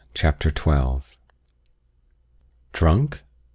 CHAPTER TWELFTH. Drunk?